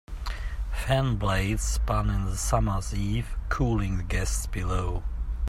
Fan blades spun in the summer's eve, cooling the guests below.